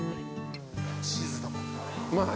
チーズだもんな。